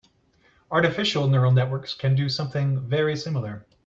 Artificial neural networks can do something very similar.